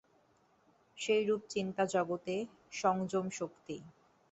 সেইরূপ চিন্তাজগতে সংযম-শক্তি এইসব বহির্মুখী প্রবৃত্তিগুলিকে সংযত করিতেছে।